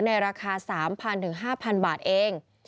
ราคา๓๐๐๕๐๐บาทเอง